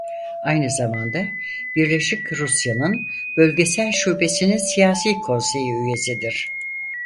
Aynı zamanda Birleşik Rusya'nın bölgesel şubesinin Siyasi Konseyi üyesidir.